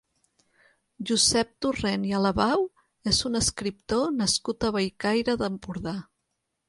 Josep Torrent i Alabau és un escriptor nascut a Bellcaire d'Empordà.